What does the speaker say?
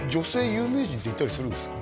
有名人っていたりするんですか？